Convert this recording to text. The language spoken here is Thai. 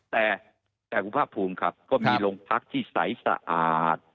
แต่คุณภาคภูมิครับก็มีโรงพักที่ใสสะอาด